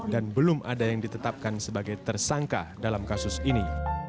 dan belum ada yang ditetapkan sebagai tersangka dalam kasus ini